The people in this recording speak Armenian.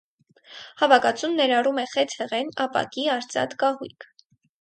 Հավաքածուն ներառում է խեցեղեն, ապակի, արծաթ, կահույք։